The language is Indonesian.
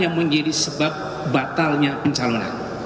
yang menjadi sebab batalnya pencalonan